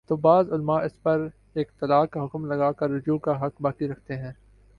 تو بعض علما اس پر ایک طلاق کا حکم لگا کر رجوع کا حق باقی رکھتے ہیں